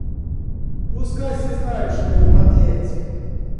Пускай все знают, что вы подлец!